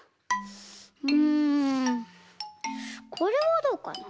うんこれはどうかな？